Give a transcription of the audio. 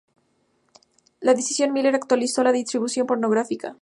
La decisión Miller obstaculizó la distribución pornográfica.